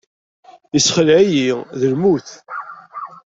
Yessexleɛ-iyi, d lmut.